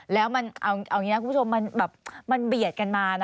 แล้วเอาอย่างนี้นะคุณผู้ชมมันเบียดกันมา